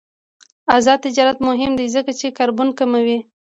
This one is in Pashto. آزاد تجارت مهم دی ځکه چې کاربن کموي.